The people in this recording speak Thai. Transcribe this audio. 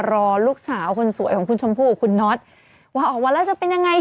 รอลูกสาวคนสวยของคุณชมพู่กับคุณน็อตว่าออกมาแล้วจะเป็นยังไง